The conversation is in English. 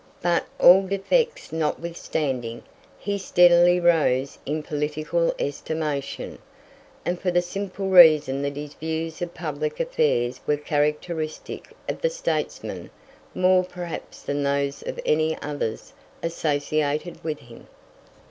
But, all defects notwithstanding, he steadily rose in political estimation, and for the simple reason that his views of public affairs were characteristic of the statesman more perhaps than those of any others associated with him.